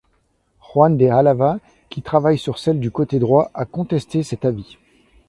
Juan de Álava qui travaille sur celles du côté droit a contesté cet avis.